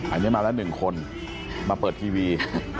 อาจจะมาละ๑คนมาเปิดทีวี